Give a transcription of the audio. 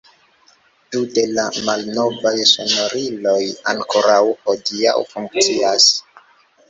Du de la malnovaj sonoriloj ankoraŭ hodiaŭ funkcias.